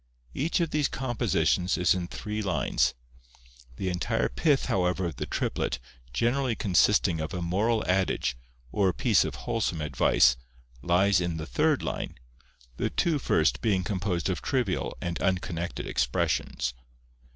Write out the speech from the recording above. Each of these compositions is in three lines; the entire pith however of the triplet, generally consisting of a moral adage or a piece of wholesome advice, lies in the third line, the two first being composed of trivial and unconnected expressions.